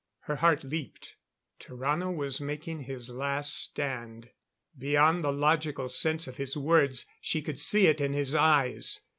Her heart leaped. Tarrano was making his last stand. Beyond the logical sense of his words, she could see it in his eyes.